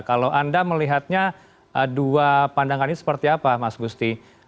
kalau anda melihatnya dua pandangannya seperti apa mas gusti